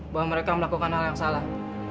bahwa mereka melakukan hal yang salah